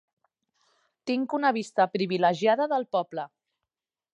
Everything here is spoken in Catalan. Tinc una vista privilegiada del poble.